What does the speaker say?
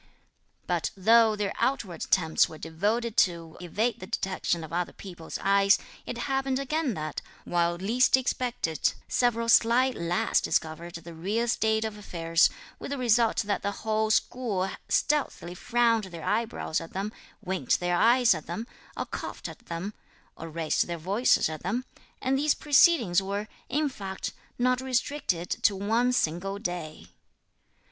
But though their outward attempts were devoted to evade the detection of other people's eyes, it happened again that, while least expected, several sly lads discovered the real state of affairs, with the result that the whole school stealthily frowned their eyebrows at them, winked their eyes at them, or coughed at them, or raised their voices at them; and these proceedings were, in fact, not restricted to one single day.